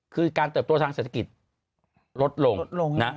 คือการเติบตัวทางเศรษฐกิจลดลงนะ